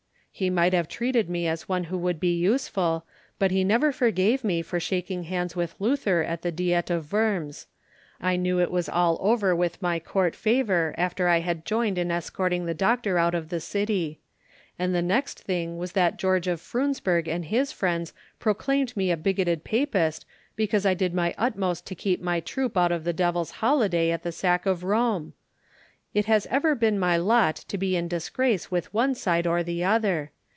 "He might have treated me as one who could be useful, but he never forgave me for shaking hands with Luther at the Diet of Worms. I knew it was all over with my court favour after I had joined in escorting the Doctor out of the city. And the next thing was that Georg of Freundsberg and his friends proclaimed me a bigoted Papist because I did my utmost to keep my troop out of the devil's holiday at the sack of Rome! It has ever been my lot to be in disgrace with one side or the other!